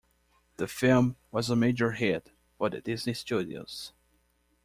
The film was a major hit for the Disney Studios.